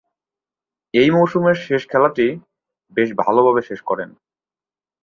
ঐ মৌসুমের শেষ খেলাটি বেশ ভালোভাবে শেষ করেন।